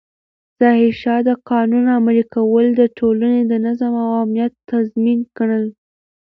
ظاهرشاه د قانون عملي کول د ټولنې د نظم او امنیت تضمین ګڼل.